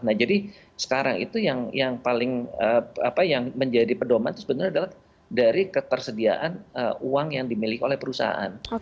nah jadi sekarang itu yang paling yang menjadi pedoman itu sebenarnya adalah dari ketersediaan uang yang dimiliki oleh perusahaan